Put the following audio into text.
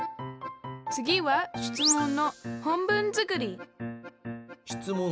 次は質問の本文作り質問